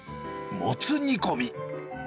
もつ煮込み。